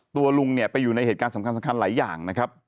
ลุงเนี่ยไปอยู่ในเหตุการณ์สำคัญหลายอย่างนะครับ